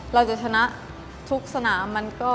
เราจะชนะทุกสนาม